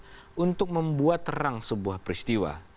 untuk membuat terang sebuah peristiwa